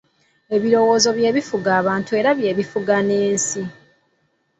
Ebirowoozo bye bifuga abantu era bye bifuga n'ensi.